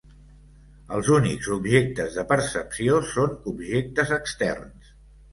Els únics objectes de percepció són objectes externs.